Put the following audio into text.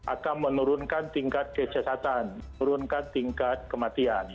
atau menurunkan tingkat kecesatan menurunkan tingkat kematian